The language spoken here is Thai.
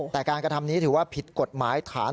แต่การกระทำนี้ถือว่าผิดกฎหมายฐาน